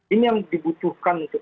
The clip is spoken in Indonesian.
ini yang dibutuhkan untuk